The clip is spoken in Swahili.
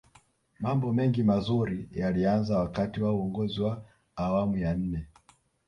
mambo mengi mazuri yalianza wakati wa uongozi wa awamu ya nne